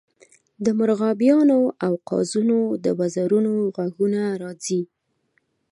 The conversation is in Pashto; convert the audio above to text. د مرغابیانو او قازونو د وزرونو غږونه راځي